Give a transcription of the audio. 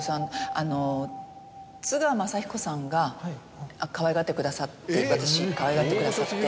あの津川雅彦さんがかわいがってくださって私かわいがってくださって。